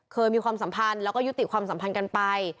มีความสัมพันธ์แล้วก็ยุติความสัมพันธ์กันไป